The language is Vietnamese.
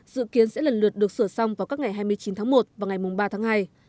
dự kiến sẽ lần lượt được sửa xong vào các ngày hai mươi chín tháng một và ngày ba tháng hai